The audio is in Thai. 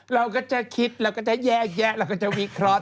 เราก็จะคิดเราก็จะแยกแยะเราก็จะวิเคราะห